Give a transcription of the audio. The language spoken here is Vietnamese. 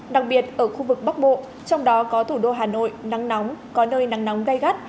đặc biệt ở khu vực bắc bộ trong đó có thủ đô hà nội nắng nóng có nơi nắng nóng gai gắt